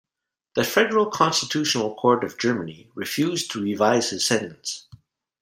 The Federal Constitutional Court of Germany refused to revise his sentence.